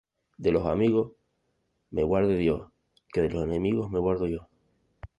De los amigos me guarde Dios, que de los enemigos me guardo yo